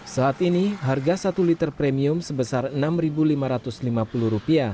saat ini harga satu liter premium sebesar rp enam lima ratus lima puluh